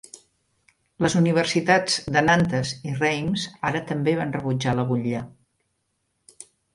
Les universitats de Nantes i Reims ara també van rebutjar la butlla.